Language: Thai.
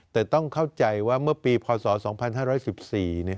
แต่ต้องเข้าใจว่าเมื่อปีพศ๒๕๑๔เนี่ย